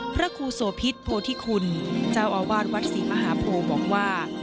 พระครูโสพิษโพธิคุณเจ้าอาวาสวัดศรีมหาโพบอกว่า